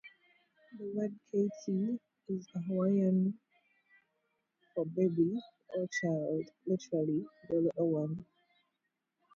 The word "keiki" is Hawaiian for "baby" or "child", literally "the little one".